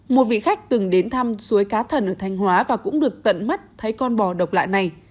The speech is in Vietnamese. một vị khách từng đến thăm suối cá thần ở thanh hóa và cũng được tận mắt thấy con bò độc lạ này